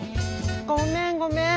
ごめんごめん！